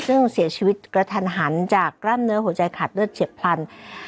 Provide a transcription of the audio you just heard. ซึ่งเสียชีวิตกระทันหันจากกล้ามเนื้อหัวใจขาดเลือดเฉียบพลัน